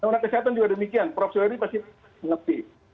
nah orang kesehatan juga demikian profesor ini pasti ngetik